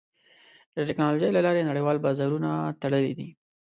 د ټکنالوجۍ له لارې نړیوال بازارونه تړلي دي.